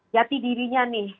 jati dirinya nih